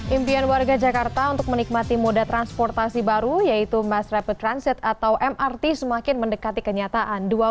impian warga jakarta untuk menikmati moda transportasi baru yaitu mass rapid transit atau mrt semakin mendekati kenyataan